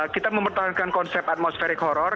kita mempertahankan konsep atmosferik horror